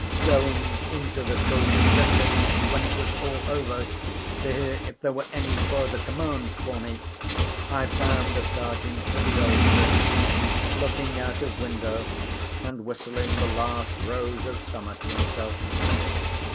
Going into the Court of Justice, when it was all over, to hear if there were any further commands for me, I found the Sergeant at his old trick—looking out of window, and whistling "The Last Rose of Summer" to himself.